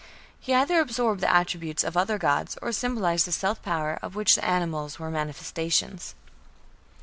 He either absorbed the attributes of other gods, or symbolized the "Self Power" of which the animals were manifestations.